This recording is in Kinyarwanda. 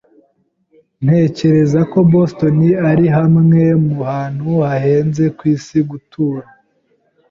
Ntekereza ko Boston ari hamwe mu hantu hahenze kwisi gutura.